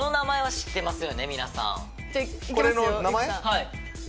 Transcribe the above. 知ってますよ。